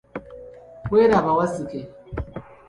Weraba Wazzike.